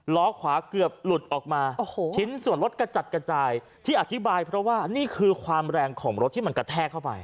ล้อขวาเกือบหลุดออกมาโอ้โหชิ้นส่วนรถกระจัดกระจายที่อธิบายเพราะว่านี่คือความแรงของรถที่มันกระแทกเข้าไป